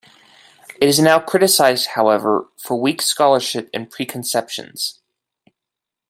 It is now criticised, however, for weak scholarship, and preconceptions.